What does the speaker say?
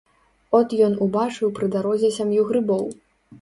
От ён убачыў пры дарозе сям'ю грыбоў.